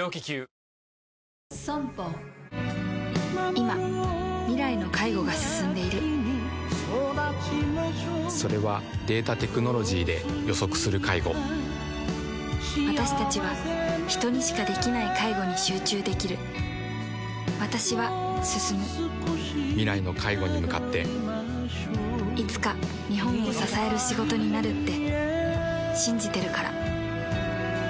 今未来の介護が進んでいるそれはデータ・テクノロジーで予測する介護私たちは人にしかできない介護に集中できる私は進む未来の介護に向かっていつか日本を支える仕事になるって信じてるから私たちはＳＯＭＰＯケアです